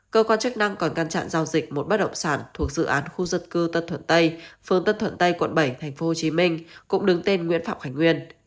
cơ quan chức năng còn ngăn chặn giao dịch một bất động sản thuộc dự án khu dân cư tân thuận tây phường tân thuận tây quận bảy tp hcm cũng đứng tên nguyễn phạm khánh nguyên